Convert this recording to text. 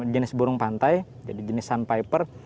jenis burung pantai jadi jenis sunpiper